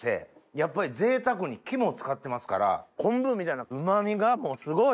やっぱりぜいたくに肝を使ってますから昆布みたいなうま味がもうすごい！